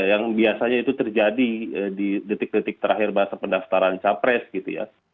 yang biasanya itu terjadi di detik detik terakhir bahasa pendaftaran capres gitu ya